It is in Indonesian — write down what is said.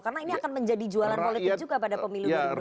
karena ini akan menjadi jualan politik juga pada pemilu dari bukit tengah